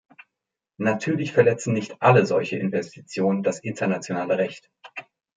Natürlich verletzen nicht alle solche Investitionen das internationale Recht.